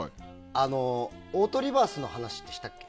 オートリバースの話ってしたっけ。